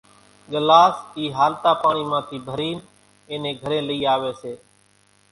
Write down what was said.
ڳلاس اِي ھالتا پاڻي مان ٿي ڀرين اين نين گھرين لئي آوي سي